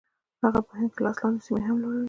هغه په هند کې لاس لاندې سیمې هم لري.